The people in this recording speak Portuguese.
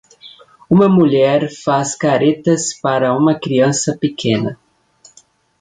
Uma mulher faz caretas para uma criança pequena.